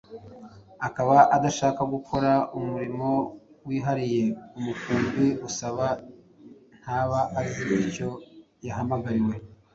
akaba adashaka gukora umurimo wihariye umukumbi usaba, ntaba azi icyo yahamagariwe.